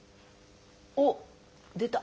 おっ出た。